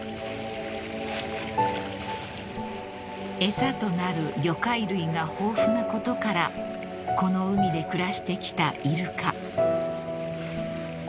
［餌となる魚介類が豊富なことからこの海で暮らしてきたイルカ］